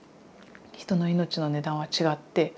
人の命の値段は違って。